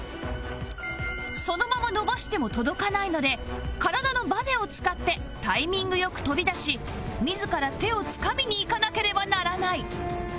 そのまま伸ばしても届かないので体のバネを使ってタイミング良く飛び出し自ら手をつかみにいかなければならない